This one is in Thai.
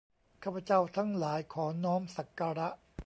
ข้าพเจ้าทั้งหลายขอน้อมสักการะ